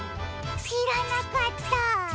しらなかったあ。